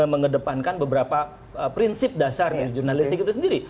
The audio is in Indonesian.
dan mengedepankan beberapa prinsip dasar dari jurnalistik itu sendiri